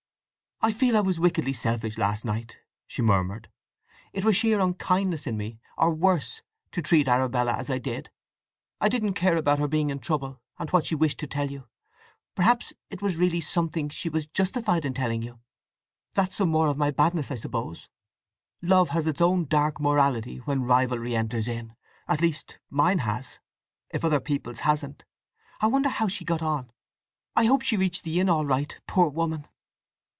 "I feel I was wickedly selfish last night!" she murmured. "It was sheer unkindness in me—or worse—to treat Arabella as I did. I didn't care about her being in trouble, and what she wished to tell you! Perhaps it was really something she was justified in telling you. That's some more of my badness, I suppose! Love has its own dark morality when rivalry enters in—at least, mine has, if other people's hasn't… I wonder how she got on? I hope she reached the inn all right, poor woman."